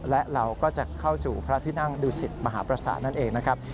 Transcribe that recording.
และเราก็จะเข้าสู่พระที่นั่งดูสิตมหาประสาทนั่นเองนะครับ